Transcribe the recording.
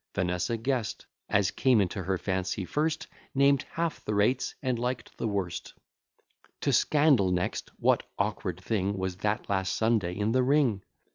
Vanessa guess'd As came into her fancy first; Named half the rates, and liked the worst. To scandal next What awkward thing Was that last Sunday in the ring?